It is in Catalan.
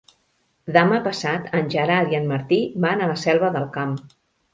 Demà passat en Gerard i en Martí van a la Selva del Camp.